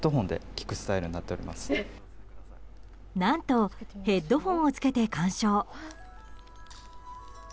何とヘッドホンをつけて鑑賞。